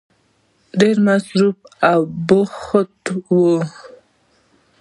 ډېر مصروف او بوخت وی